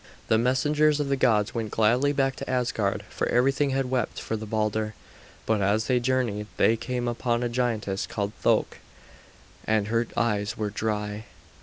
The messengers of the gods went gladly back to Asgard, for everything had wept for Balder; but as they journeyed they came upon a giantess, called Thok, and her eyes were dry.